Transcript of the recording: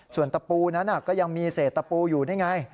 ส่วนตะปูนั้นก็ยังมีเศษตะปูอยู่นี่ไง